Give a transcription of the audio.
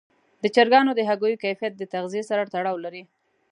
د چرګانو د هګیو کیفیت د تغذیې سره تړاو لري.